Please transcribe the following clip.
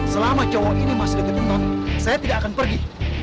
selama cowok ini masih diketuk saya tidak akan pergi